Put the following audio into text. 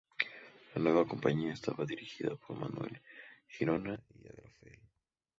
La nueva compañía estaba dirigida por Manuel Girona y Agrafel.